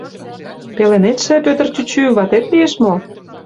Пеленетше, Пӧтыр чӱчӱ, ватет лиеш мо?